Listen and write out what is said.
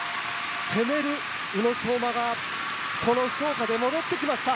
攻める宇野昌磨がこの福岡で戻ってきました！